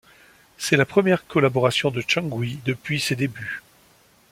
C'est la première collaboration de Sunggyu depuis ses débuts.